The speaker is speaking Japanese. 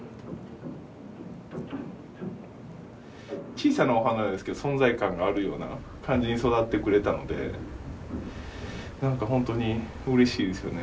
小さなお花ですけど存在感があるような感じに育ってくれたので何かほんとにうれしいですけどね。